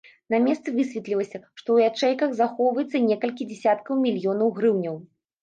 На месцы высветлілася, што ў ячэйках захоўваецца некалькі дзясяткаў мільёнаў грыўняў.